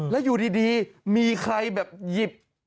แล้วอยู่ดีมีใครแบบหยิบ